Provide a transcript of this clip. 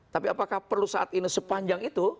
tapi apakah perlu saat ini sepanjang itu